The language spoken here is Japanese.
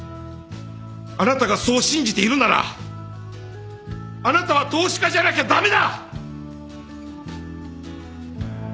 あなたがそう信じているならあなたは投資家じゃなきゃ駄目だ！